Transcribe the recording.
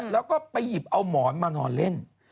แล้วก็ไปหยิบเอาหมอนมานอนเล่น